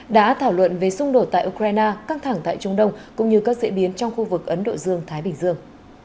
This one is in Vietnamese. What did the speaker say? đã thảo luận về xung đột tại ukraine căng thẳng tại trung đông cũng như các diễn biến trong khu vực ấn độ dương thái bình dương